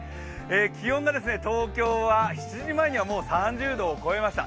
気温が東京は７時前にはもう３０度を超えました。